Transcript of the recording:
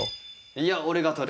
いや俺が取る。